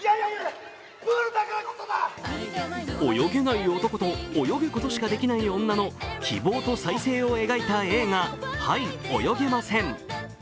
泳げない男と泳ぐことしかできない女の希望と再生を描いた映画「はい、泳げません」。